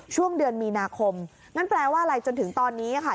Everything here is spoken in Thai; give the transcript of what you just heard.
ช่วงเดือนมีนาคมนั่นแปลว่าอะไรจนถึงตอนนี้ค่ะ